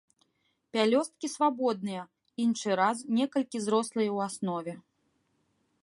Пялёсткі свабодныя, іншы раз некалькі зрослыя ў аснове.